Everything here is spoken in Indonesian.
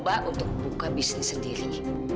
aku harus coba untuk buka bisnis sendiri